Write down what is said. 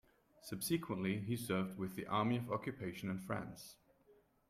Subsequently he served with the army of occupation in France.